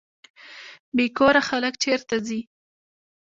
بې کوره خلک چیرته ځي؟